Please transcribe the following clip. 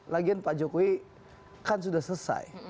lagian pak jokowi kan sudah selesai